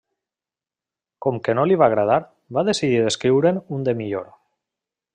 Com que no li va agradar, va decidir d'escriure'n un de millor.